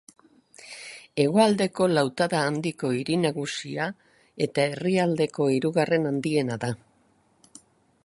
Hegoaldeko Lautada Handiko hiri nagusia eta herrialdeko hirugarren handiena da.